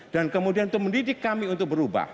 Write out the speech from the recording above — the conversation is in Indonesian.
dan kemudian untuk mendidik kami untuk berubah